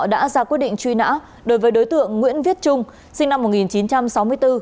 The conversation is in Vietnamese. đã ra quyết định truy nã đối với đối tượng nguyễn viết trung sinh năm một nghìn chín trăm sáu mươi bốn